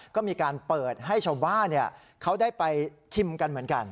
ก็มีการเปิดให้ชาวบ้านเขาได้ไปชิมกันเหมือนกัน